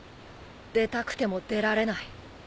出たくても出られない。